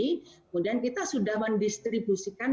kemudian kita sudah mendistribusikan